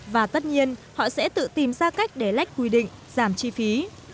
và tất nhiên họ sẽ tự tìm ra cách để lách quy định giảm chi phí